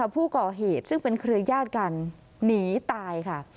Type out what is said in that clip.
ผู้ก่อเหตุซึ่งเป็นเครือญาติกันหนีตายค่ะ